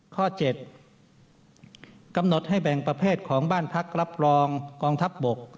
ข้อ๗กำหนดให้แบ่งประเภทของบ้านพักรับรองกองทัพบก